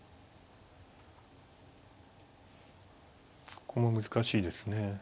ここも難しいですね。